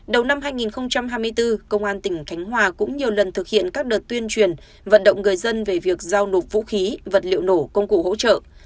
đầu năm hai nghìn hai mươi bốn công an tỉnh khánh hòa cũng nhiều lần thực hiện các đợt tuyên truyền vận động người dân về việc giao nộp vũ khí vật liệu nổ công cụ hỗ trợ